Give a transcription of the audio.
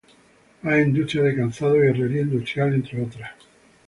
Hay industrias de calzado y herrería industrial, entre otras.